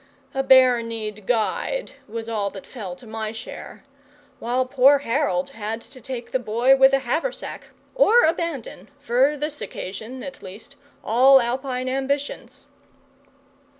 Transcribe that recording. A bare kneed guide was all that fell to my share, while poor Harold had to take the boy with the haversack, or abandon, for this occasion at least, all Alpine ambitions.